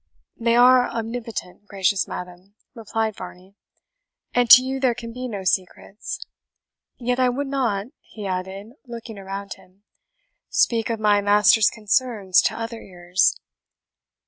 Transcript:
"They are omnipotent, gracious madam," replied Varney; "and to you there can be no secrets. Yet I would not," he added, looking around him, "speak of my master's concerns to other ears."